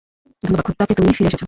ধন্যবাদ খোদাকে তুমি ফিরে এসেছো।